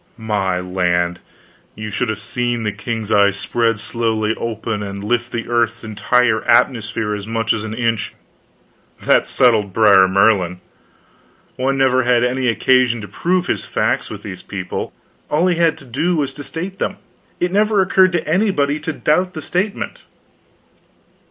My land, you should have seen the king's eyes spread slowly open, and lift the earth's entire atmosphere as much as an inch! That settled Brer Merlin. One never had any occasion to prove his facts, with these people; all he had to do was to state them. It never occurred to anybody to doubt the statement.